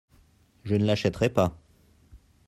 Je ne l'achèterai pas.